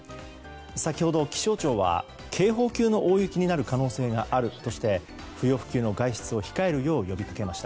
先ほど、気象庁は警報級の大雪になる可能性があるとして不要不急の外出を控えるよう呼びかけました。